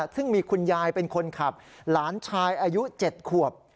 ซึ่งมีคุณยายเป็นคนขับหลานชายอายุ๗ขวบ